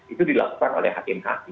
itu dilakukan oleh hakim hakim